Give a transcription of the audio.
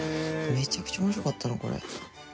めちゃくちゃ面白かったなこれ。